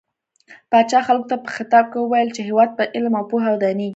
پاچا خلکو ته په خطاب کې وويل چې هيواد په علم او پوهه ودانيږي .